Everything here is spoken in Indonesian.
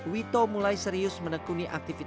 wito mulai serius menekuni aktivitasnya memotret